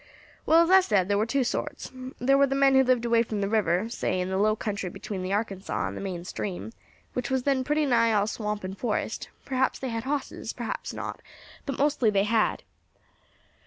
"Well, as I said, thar war two sorts. Thar war the men who lived away from the river, say in the low country between the Arkansas and the main stream, which was then pretty nigh all swamp and forest; perhaps they had hosses, perhaps not, but mostly they had.